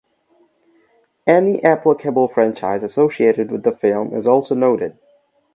Any applicable franchise associated with the film is also noted.